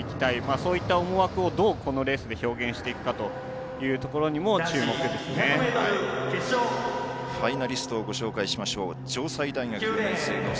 そういった思惑をどうこのレースで表現していくのかとファイナリストを紹介します。